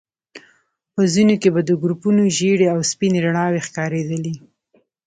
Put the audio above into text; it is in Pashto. په ځينو کې به د ګروپونو ژيړې او سپينې رڼاوي ښکارېدلې.